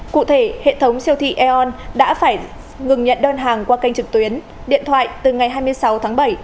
cụ thể hệ thống siêu thị aon đã phải ngừng nhận đơn hàng qua kênh trực tuyến điện thoại từ ngày hai mươi sáu tháng bảy